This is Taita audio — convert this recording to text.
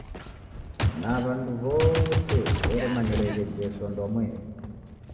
Na w'andu w'ose w'eremanyireghe Jesu andwamweri.